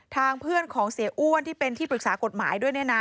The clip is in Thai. ทางเพื่อนของเสียอ้วนที่เป็นที่ปรึกษากฎหมายด้วยเนี่ยนะ